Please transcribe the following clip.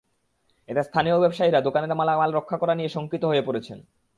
এতে স্থানীয় ব্যবসায়ীরা দোকানের মালামাল রক্ষা করা নিয়ে শঙ্কিত হয়ে পড়েছেন।